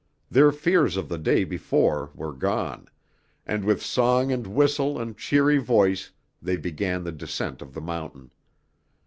Their fears of the day before were gone, and with song and whistle and cheery voice they began the descent of the mountain.